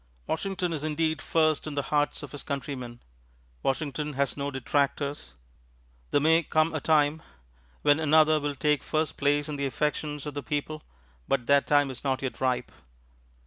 Washington is indeed first in the hearts of his countrymen. Washington has no detractors. There may come a time when another will take first place in the affections of the people, but that time is not yet ripe.